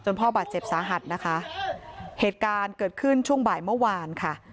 พ่อบาดเจ็บสาหัสนะคะเหตุการณ์เกิดขึ้นช่วงบ่ายเมื่อวานค่ะ